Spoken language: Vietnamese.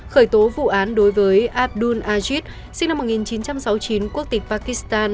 khởi tố vụ án đối với abdul azit sinh năm một nghìn chín trăm sáu mươi chín quốc tịch pakistan